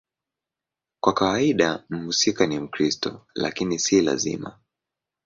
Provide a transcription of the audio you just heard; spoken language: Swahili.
Kwa kawaida mhusika ni Mkristo, lakini si lazima.